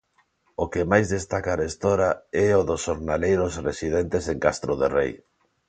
O que máis destaca arestora é o dos xornaleiros residentes en Castro de Rei.